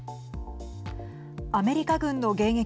アメリカ軍の迎撃